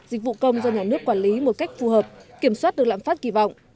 dịch vụ công do nhà nước quản lý một cách phù hợp kiểm soát được lãm phát kỳ vọng